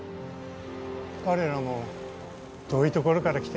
彼らも遠いところから来て